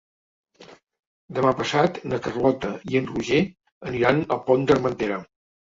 Demà passat na Carlota i en Roger aniran al Pont d'Armentera.